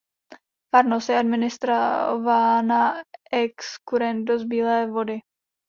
Farnost je administrována excurrendo z Bílé Vody.